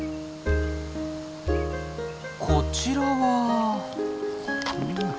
こちらは？